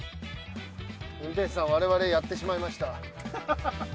運転手さん我々やってしまいました。